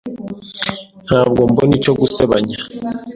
Ntabwo mbona icyo gusebanya.